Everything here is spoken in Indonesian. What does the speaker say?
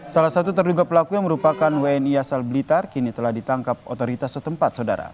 salah satu terduga pelaku yang merupakan wni asal blitar kini telah ditangkap otoritas setempat saudara